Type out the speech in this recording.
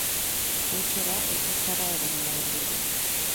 Getxora ezin zara edonola hurbildu.